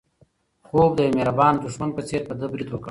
خوب د یو مهربانه دښمن په څېر په ده برید وکړ.